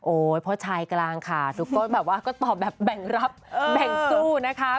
โอ๊ยพ่อชายกลางค่ะทุกคนก็ตอบแบบแบ่งรับแบ่งสู้นะคะ